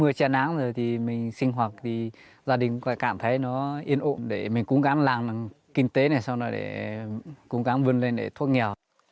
người che nắng rồi thì mình sinh hoạt thì gia đình cũng lại cảm thấy nó yên ộn để mình cung cắn làm kinh tế này sau đó để cung cắn vươn lên để thuốc nghèo